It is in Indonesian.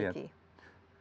saya juga melihat